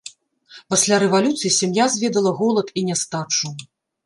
Пасля рэвалюцыі сям'я зведала голад і нястачу.